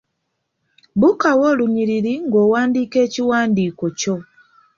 Buukawo olunyiriri ng'owandiika ekiwandiiko kyo.